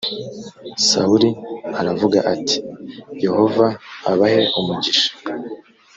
sawuli aravuga ati yehova abahe umugisha